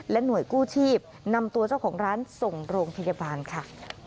หน่วยกู้ชีพนำตัวเจ้าของร้านส่งโรงพยาบาลค่ะ